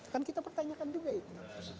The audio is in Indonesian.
kan kita pertanyakan juga itu